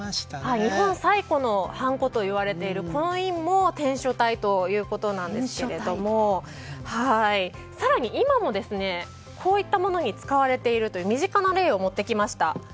日本最古のハンコといわれているこの印も篆書体ということなんですが更に今もこういったものに使われているという身近な例を持ってきました。